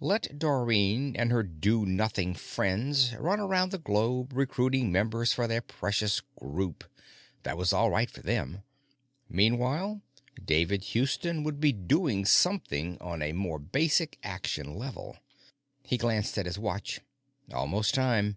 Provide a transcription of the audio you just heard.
Let Dorrine and her do nothing friends run around the globe recruiting members for their precious Group; that was all right for them. Meanwhile, David Houston would be doing something on a more basic action level. He glanced at his watch. Almost time.